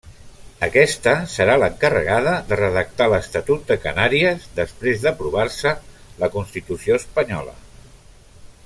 Aquesta serà l'encarregada de redactar l'estatut de Canàries, després d'aprovar-se la Constitució Espanyola.